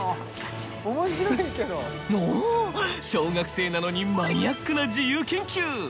小学生なのにマニアックな自由研究。